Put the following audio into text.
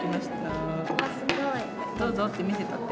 「どうぞ」って見せたって。